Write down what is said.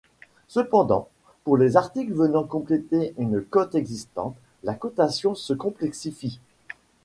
Cependant, pour les articles venant compléter une cote existante, la cotation se complexifie.